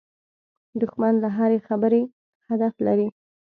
دښمن له هرې خبرې هدف لري